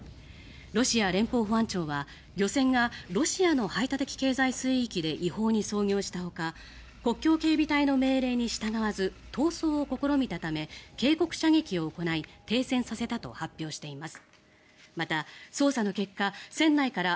ロシア連邦保安庁は漁船がロシアの排他的経済水域で違法に操業したほか国境警備隊の命令に従わず逃走を試みたため警告射撃を行い停船させたと発表しています。